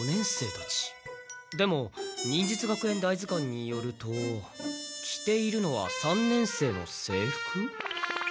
でも忍術学園大図鑑によると着ているのは三年生の制服？